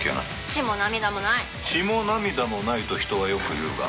「『血も涙もない』と人はよく言うが」